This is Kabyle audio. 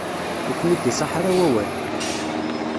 Ur kem-id-iṣaḥ ara wawal.